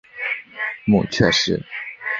母翟氏。